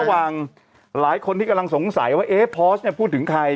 ระหว่างหลายคนที่กำลังสงสัยว่าโพสต์พูดถึงใคร